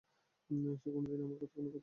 সে কোনোদিন আমার কোনো ক্ষতি করেনি।